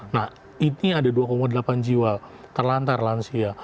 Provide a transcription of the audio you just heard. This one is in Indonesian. nah ini ada dua delapan jiwa terlantar lansia